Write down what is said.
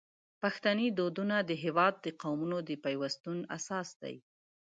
پښتني دودونه د هیواد د قومونو د پیوستون اساس دي.